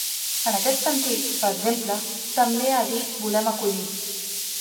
En aquest sentit, per exemple, també ha dit ‘volem acollir’.